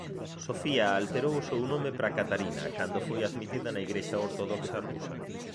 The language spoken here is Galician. Sofía alterou o seu nome para Catarina cando foi admitida na Igrexa Ortodoxa Rusa.